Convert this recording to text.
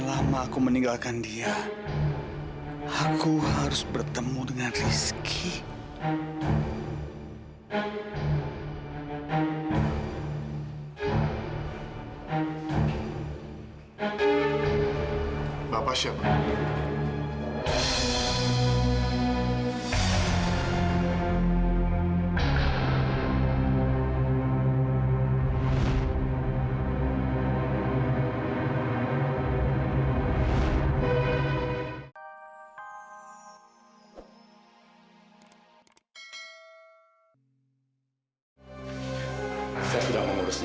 sampai jumpa di video selanjutnya